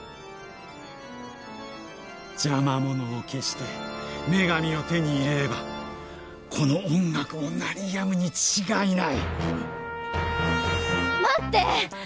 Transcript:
邪魔者を消して女神を手に入れればこの音楽も鳴りやむに違いない。待って！